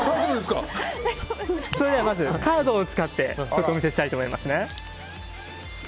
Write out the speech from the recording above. それではまず、カードを使って１つお見せしたいと思います。